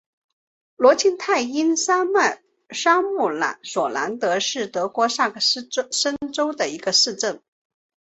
罗茨泰因山麓索兰德是德国萨克森州的一个市镇。